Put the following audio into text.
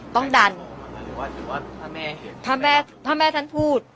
ต้องดันหรือว่าหรือว่าพระแม่พระแม่พระแม่ท่านพูด